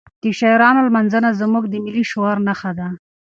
د شاعرانو لمانځنه زموږ د ملي شعور نښه ده.